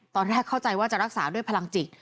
ตอนแรกเข้าใจว่าจะรักษาด้วยพลังจิต